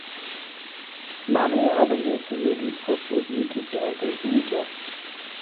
Maria overhears Rudi proposing to Grete in jest.